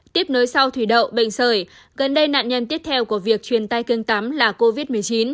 tiếp nối sau thủy đậu bệnh sởi gần đây nạn nhân tiếp theo của việc truyền tay kênh tắm là covid một mươi chín